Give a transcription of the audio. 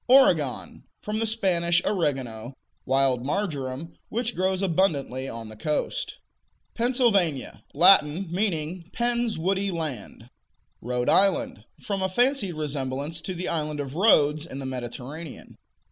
Oregon From the Spanish "oregano," wild marjoram, which grows abundantly on the coast. Pennsylvania Latin; meaning Penn's woody land. Rhode Island From a fancied resemblance to the island of Rhodes in the Mediterranean.